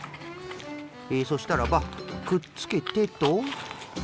えそしたらばくっつけてと。